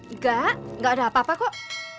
enggak enggak ada apa apa kok